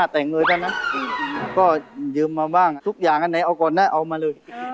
๓๔ร้อยทีกว่าคุณพบาย